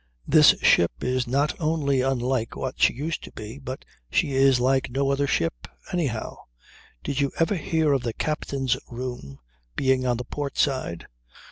This ship is not only unlike what she used to be, but she is like no other ship, anyhow. Did you ever hear of the captain's room being on the port side?